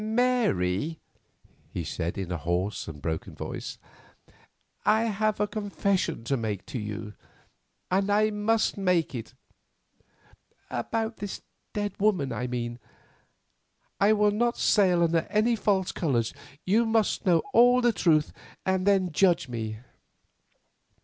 "Mary," he said, in a hoarse and broken voice, "I have a confession to make to you, and I must make it—about this dead woman, I mean. I will not sail under false colours; you must know all the truth, and then judge."